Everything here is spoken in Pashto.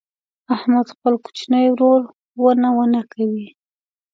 احمد خپل کوچنی ورور ونه ونه کوي.